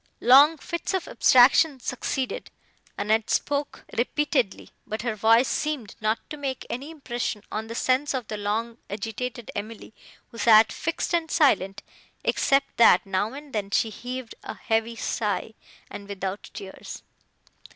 Long fits of abstraction succeeded; Annette spoke repeatedly, but her voice seemed not to make any impression on the sense of the long agitated Emily, who sat fixed and silent, except that, now and then, she heaved a heavy sigh, but without tears.